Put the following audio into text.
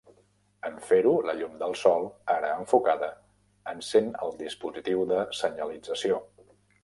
En fer-ho, la llum del sol, ara enfocada, encén el dispositiu de senyalització.